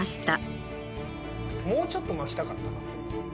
もうちょっとまきたかったな。